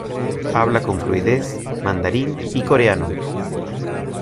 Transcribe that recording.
Habla con fluidez mandarín y coreano.